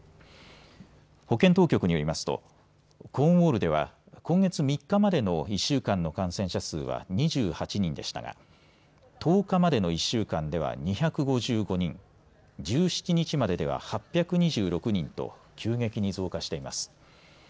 保健当局によりますとコーンウォールでは今月３日までの１週間の感染者数は２８人でしたが１０日までの１週間では２５５人、１７日まででは８２６人と急激に増加しています。